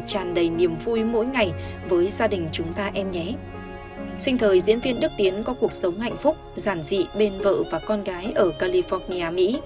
trong thời diễn viên đức tiến có cuộc sống hạnh phúc giản dị bên vợ và con gái ở california mỹ